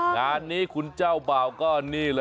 งานนี้คุณเจ้าบ่าวก็นี่เลย